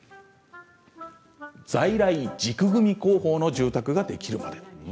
在来軸組工法の住宅ができるまで。